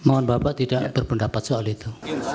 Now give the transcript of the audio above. mohon bapak tidak berpendapat soal itu